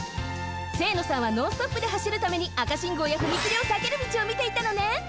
清野さんはノンストップではしるために赤信号や踏切をさける道をみていたのね。